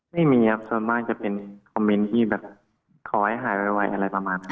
ไม่มีครับส่วนมากจะเป็นคอมเมนต์ที่แบบขอให้หายไวอะไรประมาณนั้น